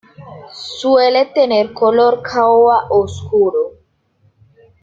Suele tener color caoba oscuro.